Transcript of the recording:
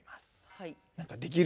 はい。